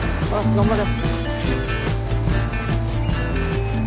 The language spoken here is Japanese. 頑張れ。